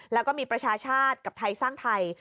แล้วก็มีประชาชาติกับไทยสร้างไทย